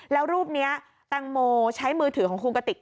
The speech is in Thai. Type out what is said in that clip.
แล้วรูปนี้แตงโมใช้มือถือของคุณกติก